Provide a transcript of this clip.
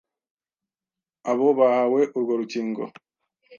Abo bahawe urwo rukingo